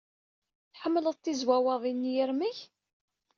Tḥemmled tizwawaḍin n yirmeg?